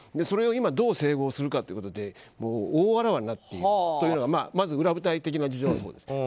それを今どう整合するかということで大わらわになっているというのがまず、裏舞台的な事情はそうです。